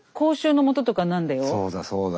そうだそうだ。